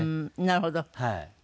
なるほど。